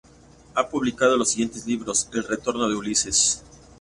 Ha publicado los siguientes libros: "El retorno de Ulises.